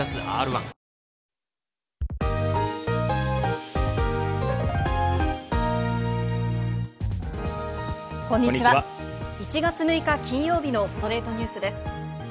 １月６日、金曜日の『ストレイトニュース』です。